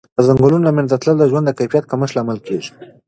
د ځنګلونو له منځه تلل د ژوند د کیفیت کمښت لامل کېږي.